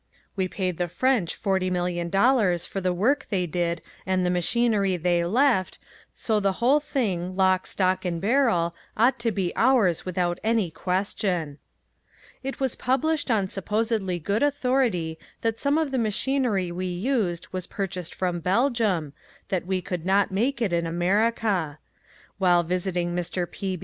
We paid the French forty million dollars for the work they did and the machinery they left so the whole thing, lock, stock and barrel, ought to be ours without any question. It was published on supposedly good authority that some of the machinery we used was purchased from Belgium, that we could not make it in America. While visiting Mr. P.